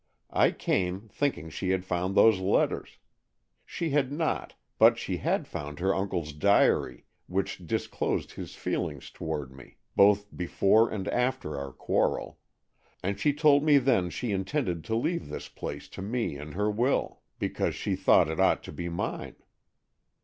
I came, thinking she had found those letters. She had not, but she had found her uncle's diary, which disclosed his feelings toward me, both before and after our quarrel, and she told me then she intended to leave this place to me in her will, because she thought it ought to be mine.